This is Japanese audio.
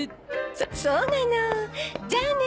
そそうなのじゃあね。